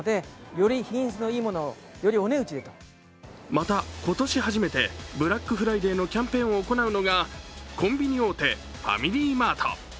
また今年初めてブラックフライデーのキャンペーンを行うのがコンビニ大手・ファミリーマート。